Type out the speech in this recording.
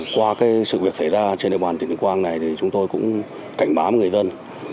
qua cái sự việc xảy ra trên đề bàn tỉnh đình quang này thì chúng tôi cũng cảnh báo người dân